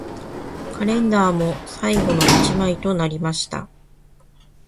カレンダーも最後の一枚となりました